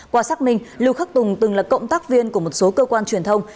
qua xác minh lưu khắc tùng từng là cộng tác viên của một số cơ quan truyền thông